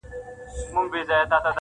دا زړه بېړی به خامخا ډوبېږي,